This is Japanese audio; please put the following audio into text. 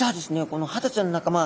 このハタちゃんの仲間